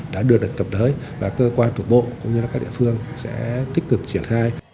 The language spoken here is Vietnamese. đã được cập đới và cơ quan thuộc bộ cũng như các địa phương sẽ tích cực triển khai